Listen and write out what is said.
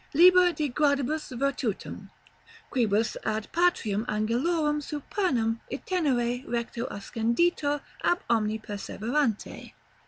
("Liber de Gradibus Virtutum: quibus ad patriam angelorum supernam itinere recto ascenditur ab omni perseverante.")